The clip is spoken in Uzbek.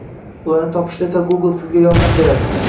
ularni topishda esa Google Sizga yordam beradi